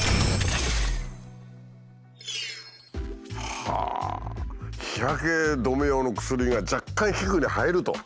はあ日焼け止め用の薬が若干皮膚に入ると。